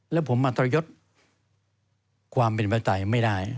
และผมมาตรยศความเป็นประชาธิปไตยไม่ได้